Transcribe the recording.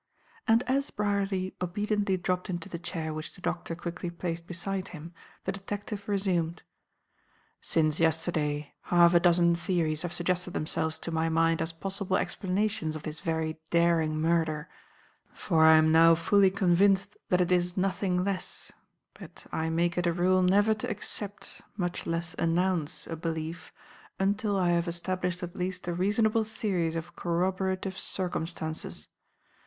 And as Brierly obediently dropped into the chair which the doctor quickly placed beside him, the detective resumed. "Since yesterday half a dozen theories have suggested themselves to my mind as possible explanations of this very daring murder, for I am now fully convinced that it is nothing less; but I make it a rule never to accept, much less announce, a belief, until I have established at least a reasonable series of corroborative circumstances.